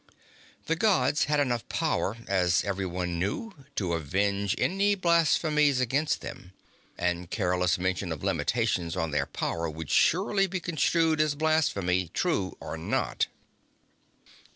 The Gods had enough power, as everyone knew, to avenge any blasphemies against them. And careless mention of limitations on their power would surely be construed as blasphemy, true or not.